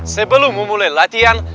sebelum memulai latihan